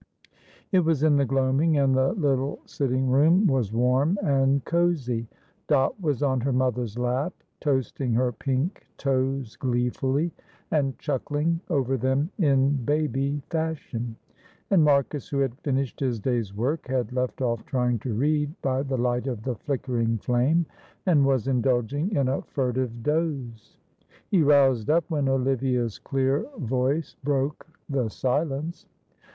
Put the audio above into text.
It was in the gloaming, and the little sitting room was warm and cosy. Dot was on her mother's lap, toasting her pink toes gleefully, and chuckling over them in baby fashion. And Marcus, who had finished his day's work, had left off trying to read by the light of the flickering flame, and was indulging in a furtive doze. He roused up when Olivia's clear voice broke the silence.